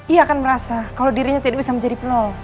ia akan merasa kalau dirinya tidak bisa menjadi penol